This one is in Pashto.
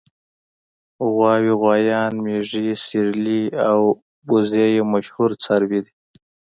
غواوې غوایان مېږې سېرلي او وزې یې مشهور څاروي دي.